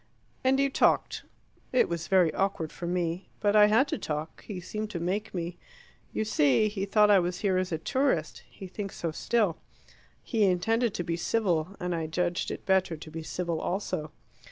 "And you talked." "It was very awkward for me. But I had to talk: he seemed to make me. You see he thought I was here as a tourist; he thinks so still. He intended to be civil, and I judged it better to be civil also."